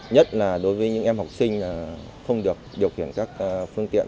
nhất là đối với những em học sinh không được điều khiển các phương tiện